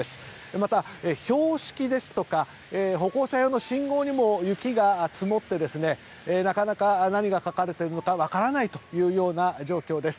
また、標識ですとか歩行者用の信号にも雪が積もってなかなか、何が書かれているのか分からない状況です。